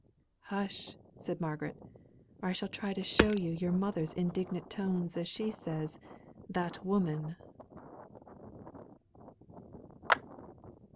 '" "Hush!" said Margaret, "or I shall try and show you your mother's indignant tones as she says, 'That woman!